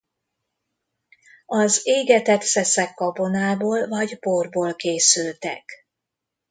Az égetett szeszek gabonából vagy borból készültek.